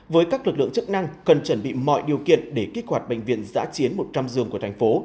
với các lực lượng chức năng cần chuẩn bị mọi điều kiện để kích hoạt bệnh viện giã chiến một trăm linh giường của thành phố